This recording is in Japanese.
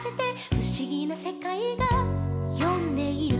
「ふしぎなせかいがよんでいる」